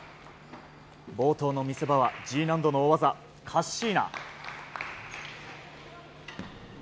冒頭の見せ場はＧ難度の大技、カッシーナ。